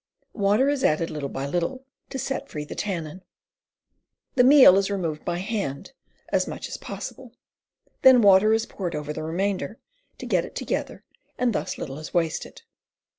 Water is added, little by little, to set free the tannin. The meal is removed by hand as much as possible, then water is poured over the remainder to get it together, and thus little is wasted.